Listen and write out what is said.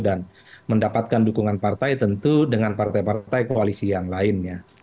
dan mendapatkan dukungan partai tentu dengan partai partai koalisi yang lainnya